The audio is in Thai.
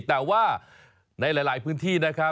แต่ว่าในหลายพื้นที่นะครับ